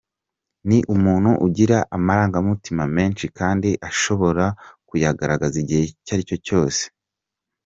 Ni umuntu ugira amarangamutima menshi kandi ashobora kuyagaragaza igihe icyo aricyo cyose.